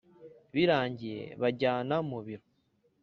Birangiye banjyana mu biro,